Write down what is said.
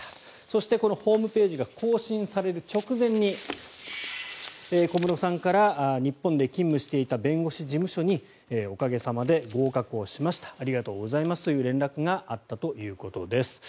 そして、このホームページが更新される直前に小室さんから日本で勤務していた弁護士事務所におかげさまで合格をしましたありがとうございますという連絡があったということです。